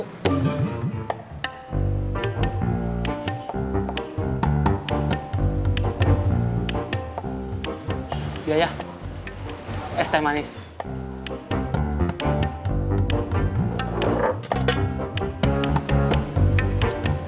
tapi ini terserahnya bukan ternyata umat